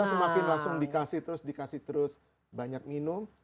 semakin langsung dikasih terus dikasih terus banyak minum